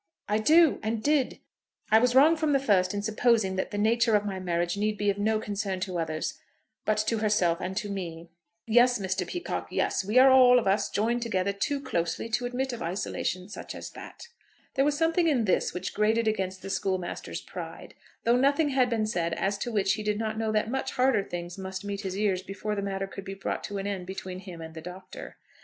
"I do, and did. I was wrong from the first in supposing that the nature of my marriage need be of no concern to others, but to herself and to me." "Yes, Mr. Peacocke; yes. We are, all of us, joined together too closely to admit of isolation such as that." There was something in this which grated against the schoolmaster's pride, though nothing had been said as to which he did not know that much harder things must meet his ears before the matter could be brought to an end between him and the Doctor.